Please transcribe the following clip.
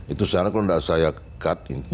itu salah kalau nggak saya cut itu